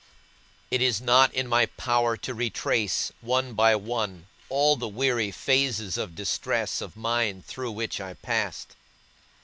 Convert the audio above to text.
It is not in my power to retrace, one by one, all the weary phases of distress of mind through which I passed.